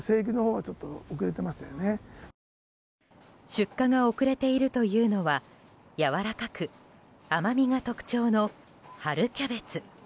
出荷が遅れているというのはやわらかく、甘みが特徴の春キャベツ。